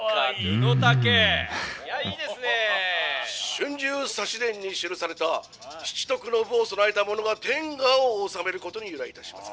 「『春秋左氏伝』に記された七徳の武を備えた者が天下を治めることに由来いたします。